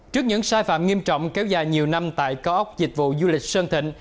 trước những sai phạm nghiêm trọng kéo dài nhiều năm tại cao ốc dịch vụ du lịch sơn thịnh